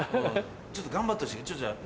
ちょっと頑張ってほしいじゃあ